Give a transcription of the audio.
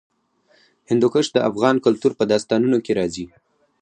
هندوکش د افغان کلتور په داستانونو کې راځي.